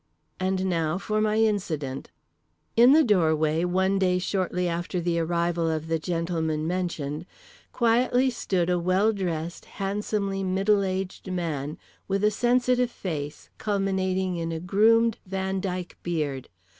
And now for my incident: In the doorway, one day shortly after the arrival of the gentlemen mentioned, quietly stood a well dressed handsomely middle aged man, with a sensitive face culminating in a groomed Van Dyck beard.